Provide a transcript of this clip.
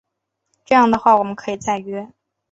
这样的话我们可以再约